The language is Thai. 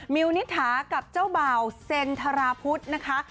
มิวนิษฐากับเจ้าบ่าวเซ็นธราพุทธนะคะ